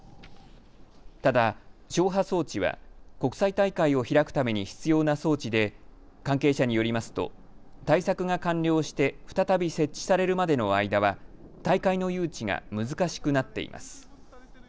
ただ消波装置は国際大会を開くために必要な装置で関係者によりますと対策が完了して再び設置されるまでの間は大会の誘致が難しくなっています。